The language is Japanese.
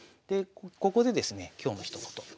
ここでですね今日のひと言。